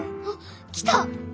あっ来た！